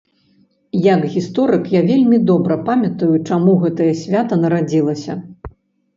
Як гісторык я вельмі добра памятаю, чаму гэтае свята нарадзілася.